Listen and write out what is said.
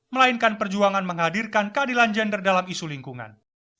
melainkan perjuangan menghadirkan keadilan gender dalam isu lingkungan